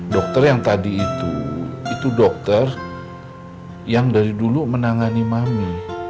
dokter yang tadi itu itu dokter yang dari dulu menangani mami